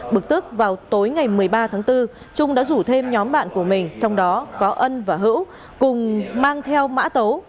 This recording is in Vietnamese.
bực tức vào tối ngày một mươi ba tháng bốn trung đã rủ thêm nhóm bạn của mình trong đó có ân và hữu cùng mang theo mã tấu